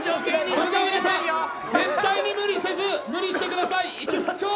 それでは皆さん絶対に無理をせず無理してください行きましょう。